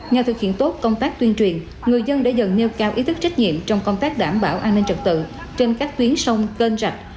nhờ thực hiện tốt công tác tuyên truyền người dân đã dần nêu cao ý thức trách nhiệm trong công tác đảm bảo an ninh trật tự trên các tuyến sông kênh rạch